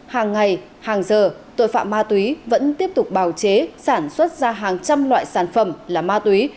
hàng ngày hàng giờ tội phạm ma túy vẫn tiếp tục bào chế sản xuất ra hàng trăm loại sản phẩm là ma túy